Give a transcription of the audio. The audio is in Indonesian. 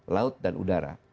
laut dan udara